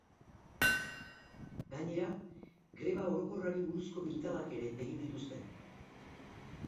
Gainera, greba orokorrari buruzko pintadak ere egin dituzte.